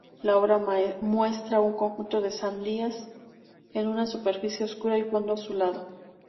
La obra muestra un conjunto de sandías en una superficie oscura y fondo azulado.